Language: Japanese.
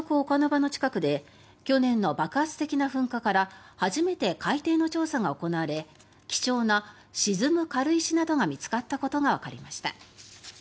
場の近くで去年の爆発的な噴火から初めて海底の調査が行われ貴重な沈む軽石などが見つかったことがわかりました。